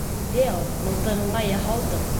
— Бульдео, мылтығыңа яһау тыҡ!